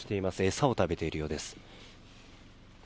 餌を食べているようです。